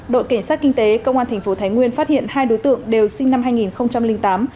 đội cảnh sát kinh tế công an tp thái nguyên phát hiện hai đối tượng đều sinh năm hai nghìn tám